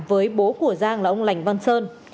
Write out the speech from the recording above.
với bố của giang là ông lành văn sơn